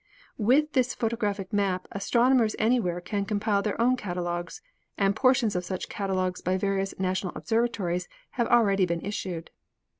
With this photographic map astronomers anywhere can compile their own catalogues, and portions of such catalogues by various national observatories have already been issued.